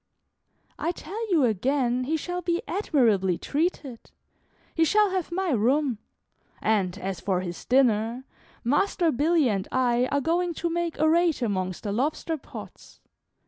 "I tell you again he shall be admirably treated; he shall have my room; and, as for his dinner, Master Billy and I are going to make a raid amongst the lobster pots.